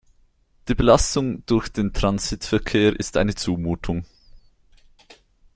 Die Belastung durch den Transitverkehr ist eine Zumutung.